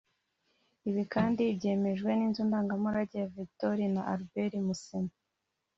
Ibi kandi byemejwe n’inzu ndangamurage ya Victoria and Albert Museum